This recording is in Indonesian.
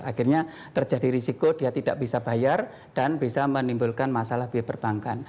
akhirnya terjadi risiko dia tidak bisa bayar dan bisa menimbulkan masalah biaya perbankan